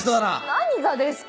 何がですか！